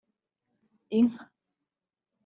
inka